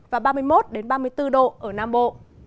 và ba mươi một ba mươi bốn độ ở nam bộ